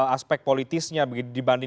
aspek politisnya dibanding